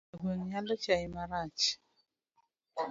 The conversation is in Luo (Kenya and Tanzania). Jo gweng' nyalo chai marach.